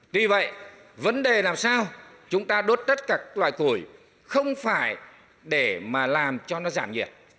tuy vậy vấn đề làm sao chúng ta đốt tất cả các loài củi không phải để mà làm cho nó giảm nhiệt